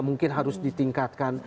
mungkin harus ditingkatkan